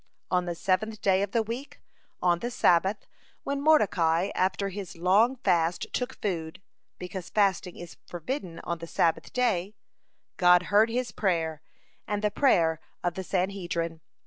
On the seventh day of the week, on the Sabbath, when Mordecai after his long fast took food, because fasting is forbidden on the Sabbath day, God heard his prayer and the prayer of the Sanhedrin.